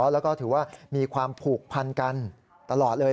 แล้วก็ถือว่ามีความผูกพันกันตลอดเลย